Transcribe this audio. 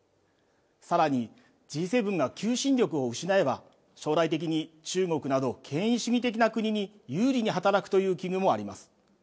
さらに、Ｇ７が求心力を失えば将来的に中国など権威主義的な国に有利に働くという危惧もあります。